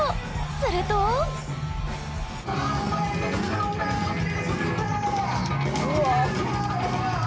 するとうわあ。